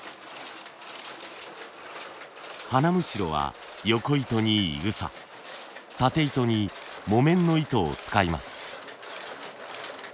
花莚はよこ糸にいぐさたて糸に木綿の糸を使います。